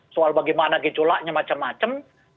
soal bagaimana gejolaknya macam macam